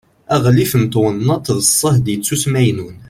aɣlif n twennaḍt d ṣṣehd ittusmaynun